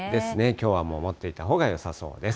きょうはもう持っていたほうがよさそうです。